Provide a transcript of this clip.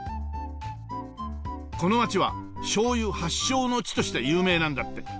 この町は醤油発祥の地として有名なんだって。